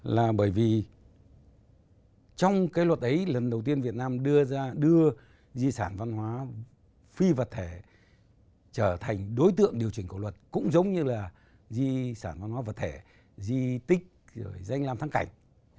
là bởi vì trong cái luật ấy lần đầu tiên việt nam đưa ra đưa di sản văn hóa phi vật thể trở thành đối tượng điều chỉnh của luật cũng giống như là di sản văn hóa vật thể di tích rồi danh làm thắng cảnh